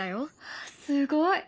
すごい！